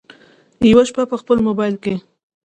یوه شپه په خپل مبایل کې